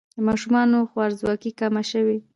د ماشومانو خوارځواکي کمه شوې؟